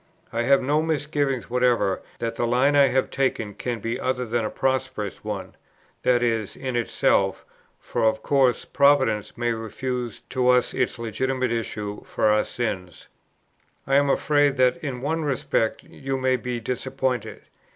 "I have no misgivings whatever that the line I have taken can be other than a prosperous one: that is, in itself, for of course Providence may refuse to us its legitimate issues for our sins. "I am afraid, that in one respect you may be disappointed.